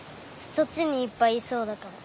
そっちにいっぱいいそうだから。